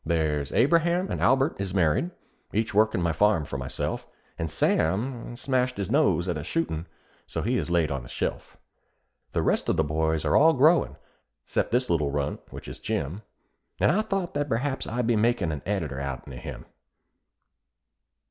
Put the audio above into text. There's Abram and Albert is married, each workin' my farm for myself, And Sam smashed his nose at a shootin', and so he is laid on the shelf. The rest of the boys are all growin', 'cept this little runt, which is Jim, And I thought that perhaps I'd be makin' an editor outen o' him.